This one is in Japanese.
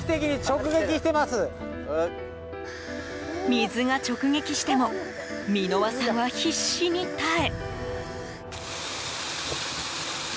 水が直撃しても箕輪さんは必死に耐え。